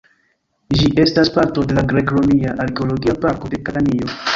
Ĝi estas parto de la Grek-Romia Arkeologia Parko de Katanio.